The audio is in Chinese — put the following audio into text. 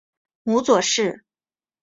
母左氏。